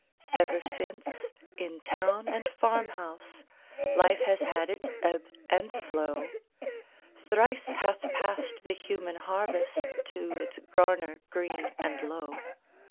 Ever since, in town and farm house, Life has had its ebb and flow; Thrice hath passed the human harvest To its garner green and low.